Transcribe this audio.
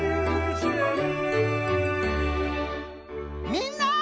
みんな！